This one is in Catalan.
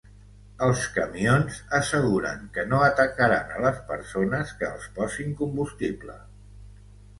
Els camions asseguren que no atacaran a les persones que els posin combustible.